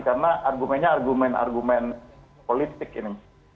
karena argumennya argumen argumen politik ini